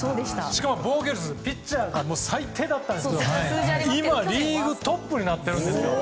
しかも防御率、ピッチャーが最低だったんですけど今リーグトップになってるんです。